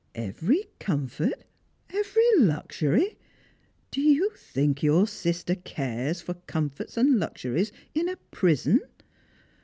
" Every comfort — every luxury ! Do you think your sistei cares for comforts and luxuries in a prison